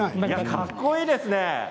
かっこいいですね。